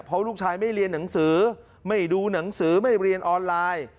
เพราะลูกชายไม่เรียนหนังสือไม่ดูหนังสือไม่เรียนออนไลน์